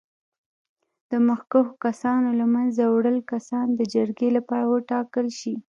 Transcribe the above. د مخکښو کسانو له منځه وړ کسان د جرګې لپاره وټاکل شي.